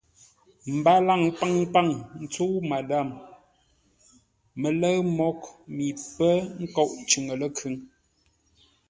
Mbalaŋ paŋpaŋ ntsə́u Madâm mələ̂ʉ mǒghʼ mi pə́ nkóʼ cʉŋə ləkhʉŋ.